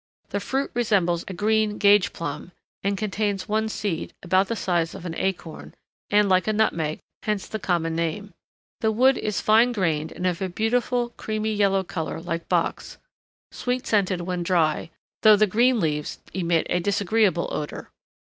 The fruit resembles a green gage plum, and contains one seed, about the size of an acorn, and like a nutmeg, hence the common name. The wood is fine grained and of a beautiful, creamy yellow color like box, sweet scented when dry, though the green leaves emit a disagreeable odor.